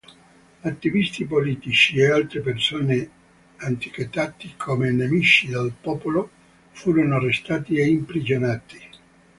Attivisti politici e altre persone etichettati come "nemici del popolo" furono arrestati e imprigionati.